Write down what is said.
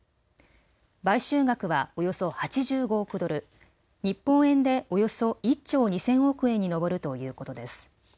買収額はおよそ８５億ドル、日本円でおよそ１兆２０００億円に上るということです。